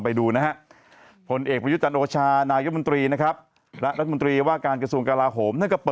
มีรูปยังไงมีรูปไหม